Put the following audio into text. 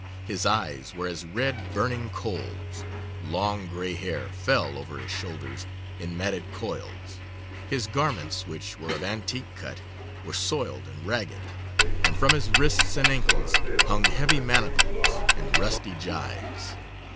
His eyes were as red burning coals; long grey hair fell over his shoulders in matted coils; his garments, which were of antique cut, were soiled and ragged, and from his wrists and ankles hung heavy manacles and rusty gyves.